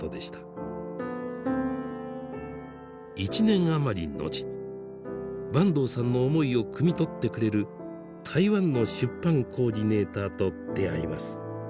１年余り後坂東さんの思いをくみ取ってくれる台湾の出版コーディネーターと出会います。